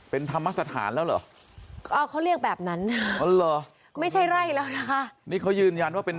เป็นธรรมสถานแล้วหรือ